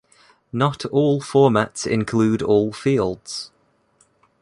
Not all formats include all fields.